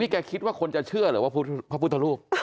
แกคิดว่าคนจะเชื่อเหรอว่าพระพุทธรูป